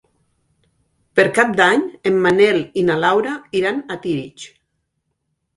Per Cap d'Any en Manel i na Laura iran a Tírig.